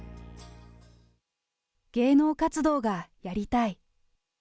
芸能活動がやりたい。